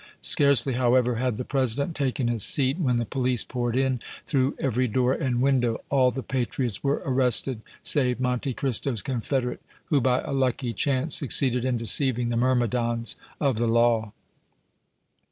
Scarcely, however, had the president taken his seat when the police poured in through every door and window. All the patriots were arrested, save Monte Cristo's confederate, who by a lucky chance succeeded in deceiving the myrmidons of the law.